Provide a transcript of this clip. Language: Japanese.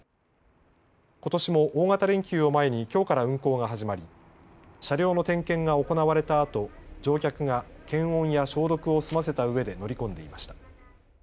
ことしも大型連休を前に、きょうから運行が始まり、車両の点検が行われたあと、乗客が検温や消毒を済ませたうえで乗り込んでいました。